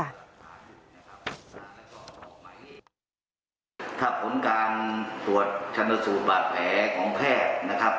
ถ้าผลการตรวจชนสูตรบาดแผลของแพทย์นะครับ